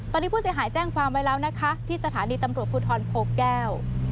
ตอนนี้ผู้เสียหายแจ้งความไว้แล้วนะคะที่สถานีตำรวจภูทรโพแก้ว